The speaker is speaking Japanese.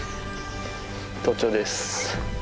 登頂です。